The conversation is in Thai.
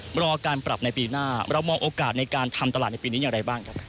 รอการปรับในปีหน้าเรามองโอกาสในการทำตลาดในปีนี้อย่างไรบ้างครับ